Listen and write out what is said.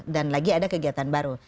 dan lagi ada kegiatan baru